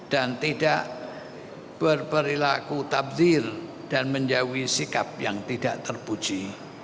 dan tidak berperilaku tabzir dan menjauhi sikap yang tidak terpuji